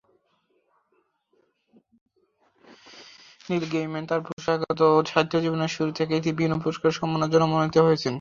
নীল Gaiman তার পেশাগত সাহিত্য জীবনের শুরু থেকেই বিভিন্ন পুরস্কার ও সম্মাননার জন্য মনোনীত হয়েছেন।